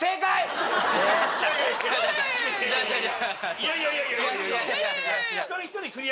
いやいやいやいや。